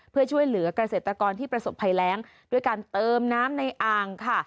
เพื่อช่วยเหลือกเกษตรกรที่ประสบภัยแรงด้วยการเติมน้ำในอ่างค่ะ